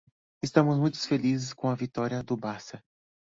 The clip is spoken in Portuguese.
Estamos muito felizes com a vitória do Barça.